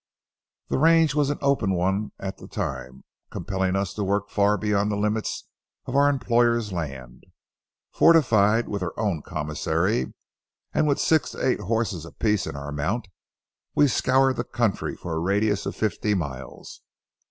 The range was an open one at the time, compelling us to work far beyond the limits of our employer's land. Fortified with our own commissary, and with six to eight horses apiece in our mount, we scoured the country for a radius of fifty miles.